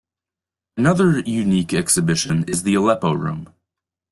Another unique exhibition is the Aleppo room.